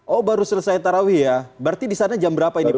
oh baru selesai tarawih ya berarti di sana jam berapa ini pak